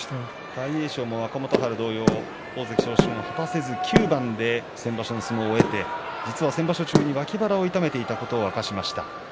大栄翔、若元春同様大関昇進は果たせず先場所９番の相撲を終えて先場所中に脇腹を痛めていたことを明らかにしました。